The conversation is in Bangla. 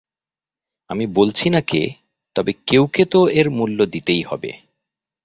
আমি বলছি না কে, তবে কেউকে তো এর মূল্য দিতেই হবে।